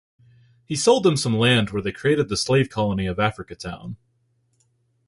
He sold them some land where they created the slave colony of Africatown.